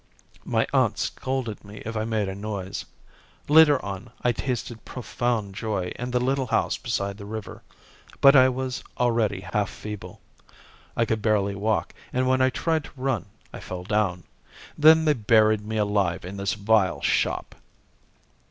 My aunt scolded me if I made a noise. Later on, I tasted profound joy in the little house beside the river; but I was already half feeble, I could barely walk, and when I tried to run I fell down. Then they buried me alive in this vile shop."